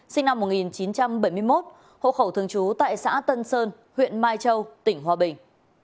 sinh năm một nghìn chín trăm bảy mươi một hộ khẩu thường trú tại xã tân sơn huyện mai châu tỉnh hòa bình